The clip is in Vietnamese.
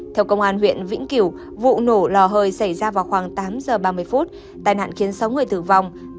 theo công an huyện vĩnh kiểu vụ nổ lò hơi xảy ra vào khoảng tám giờ ba mươi phút tài nạn khiến sáu người tử vong